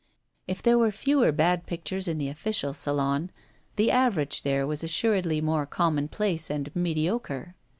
If there were fewer bad pictures in the official Salon, the average there was assuredly more commonplace and mediocre.